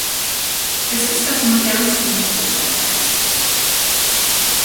Es ist das modernste U-Boot seiner Klasse.